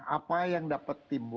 apa yang dapat timbul